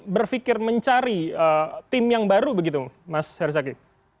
berpikir mencari tim yang baru begitu mas herzaki